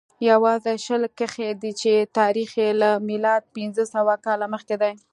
یوازې شل کښتۍ دي چې تاریخ یې له میلاده پنځه سوه کاله مخکې دی